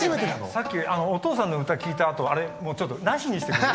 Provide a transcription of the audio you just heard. さっきお父さんの歌聴いたあとあれなしにしてくれる？